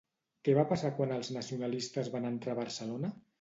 Què va passar quan els nacionalistes van entrar a Barcelona?